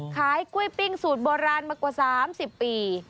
กล้วยปิ้งสูตรโบราณมากว่า๓๐ปี